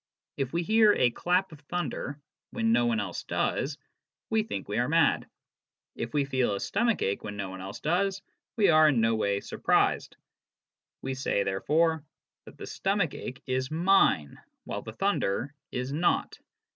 If we hear a clap of thunder when no one else does, we think we are mad ; if we feel a stomach ache when no one else does, we are in no way surprised. We say, therefore, that the stomach ache is mine, while the thunder is not.